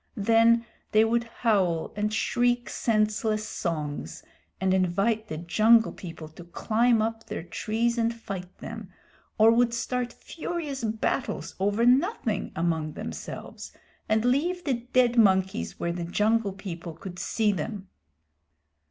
Then they would howl and shriek senseless songs, and invite the Jungle People to climb up their trees and fight them, or would start furious battles over nothing among themselves, and leave the dead monkeys where the Jungle People could see them.